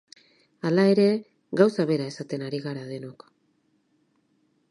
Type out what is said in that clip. Hala ere, gauza bera esaten ari gara denok.